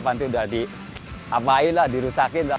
nanti udah diapain lah dirusakin lah